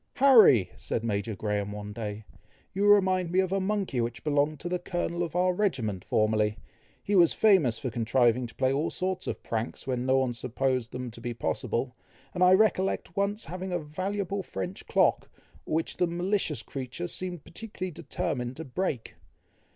"Harry!" said Major Graham one day, "you remind me of a monkey which belonged to the colonel of our regiment formerly. He was famous for contriving to play all sorts of pranks when no one supposed them to be possible, and I recollect once having a valuable French clock, which the malicious creature seemed particularly determined to break.